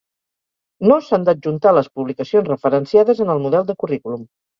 No s'han d'adjuntar les publicacions referenciades en el model de currículum.